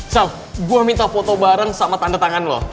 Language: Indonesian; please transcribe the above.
sel gue minta foto bareng sama tanda tangan lo